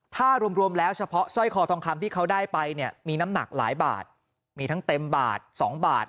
ถ้ารวมแล้วเฉพาะสร้อยคอทองคำที่เขาได้ไปเนี่ยมีน้ำหนักหลายบาทมีทั้งเต็มบาท๒บาท